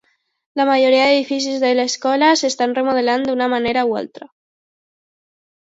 La majoria d'edificis de l'escola s'estan remodelant d'una manera o una altra.